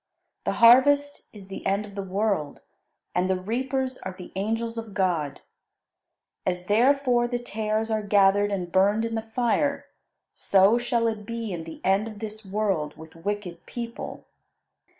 The harvest is the end of the world, and the reapers are the angels of God. As therefore the tares are gathered and burned in the fire, so shall it be in the end of this world with wicked people.